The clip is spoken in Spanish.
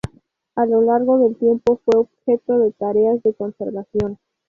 A lo largo del tiempo fue objeto de tareas de conservación.